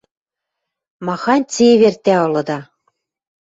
— Махань цевер тӓ ылыда!